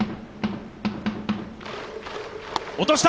落とした！